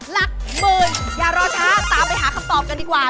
หลักหมื่นอย่ารอช้าตามไปหาคำตอบกันดีกว่า